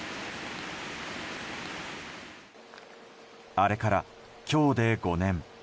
あれから今日で５年。